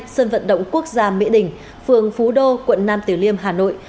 sân vận động quốc gia mỹ đình phường phú đô quận nam tử liêm hà nội